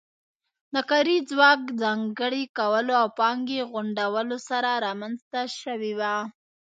د کاري ځواک ځانګړي کولو او پانګې غونډولو سره رامنځته شوې وه